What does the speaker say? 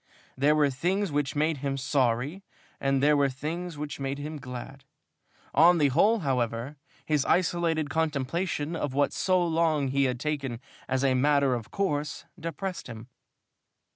There were things which made him sorry and there were things which made him glad. On the whole, however, his isolated contemplation of what for so long he had taken as a matter of course depressed him.